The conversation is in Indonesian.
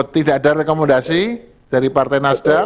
tidak ada rekomendasi dari partai nasdem